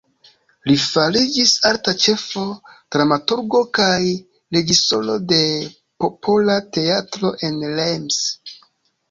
Li fariĝis arta ĉefo, dramaturgo kaj reĝisoro de Popola teatro en Reims.